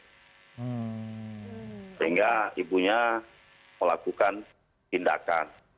sehingga ibunya melakukan tindakan